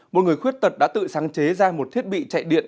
một người khuyết tật đã tự sáng chế ra một thiết bị chạy điện